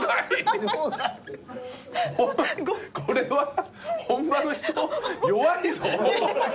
これは本場の人弱いぞ。